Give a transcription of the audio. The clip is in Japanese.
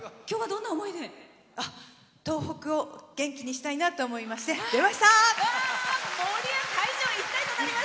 東北を元気にしたいなと思いまして出ました！